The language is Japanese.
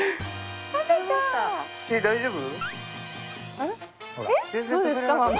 大丈夫？